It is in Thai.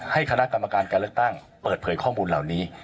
คณะกรรมการการเลือกตั้งเปิดเผยข้อมูลเหล่านี้